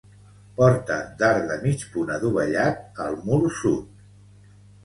Porta d'arc de mig punt adovellat, al mur sud.